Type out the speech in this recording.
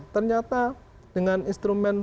ternyata dengan instrumen